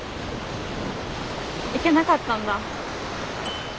行けなかったんだ。